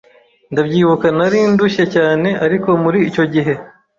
Ndabyibuka nari ndushye cyane ariko muri icyo gihe